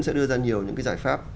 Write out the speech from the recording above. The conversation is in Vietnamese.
sẽ đưa ra nhiều những giải pháp